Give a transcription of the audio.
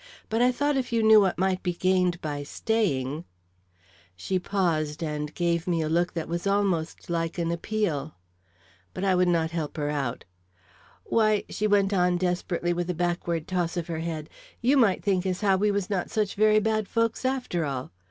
But I thought if you knew what might be gained by staying " She paused and gave me a look that was almost like an appeal. But I would not help her out. "Why," she went on desperately, with a backward toss of her head, "you might think as how we was not such very bad folks after all.